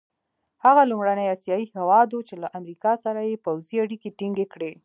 هغه لومړنی اسیایي هېواد وو چې له امریکا سره یې پوځي اړیکي ټینګې کړې.